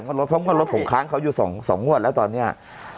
เพราะมันใส่เขาอยู่๒หัวแล้วตอนเนี้ย